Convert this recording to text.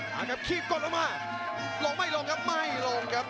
มาครับขีบกดลงมาลงไม่ลงครับไม่ลงครับ